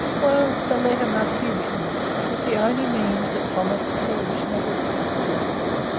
Well, the letter must be written; it was the only means that promised a solution of the difficulty.